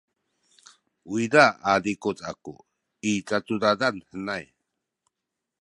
uyza a zikuc aku i cacudadan henay.